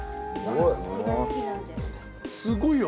すごいよ。